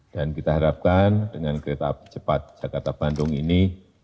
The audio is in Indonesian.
dan kita harapkan dengan kereta api cepat jakarta bandung ini